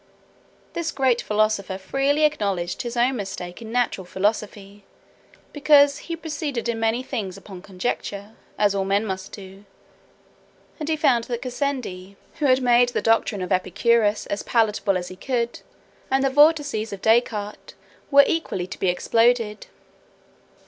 This great philosopher freely acknowledged his own mistakes in natural philosophy, because he proceeded in many things upon conjecture, as all men must do; and he found that Gassendi, who had made the doctrine of Epicurus as palatable as he could, and the vortices of Descartes, were equally to be exploded.